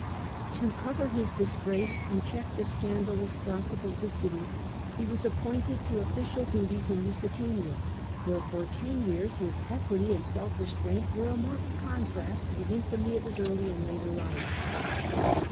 To cover his disgrace and check the scandalous gossip of the city he was appointed A.D. 69 Otho, 129 to official duties in Lusitania, where for ten years his equity and self restraint were a marked contrast to the infamy of his earlier and later life.